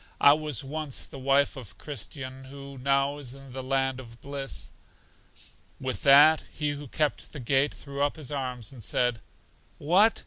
I was once the wife of Christian, who now is in the land of bliss. With that, He who kept the gate threw up His arms and said, What!